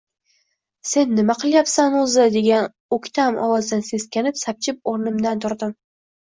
— Sen nima qilyapsan o‘zi? — degan o‘ktam ovozdan seskanib, sapchib o‘rnimdan turdim…